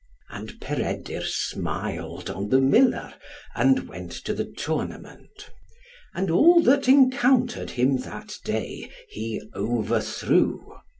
And Peredur smiled on the miller, and went to the tournament; and all that encountered him that day, he overthrew.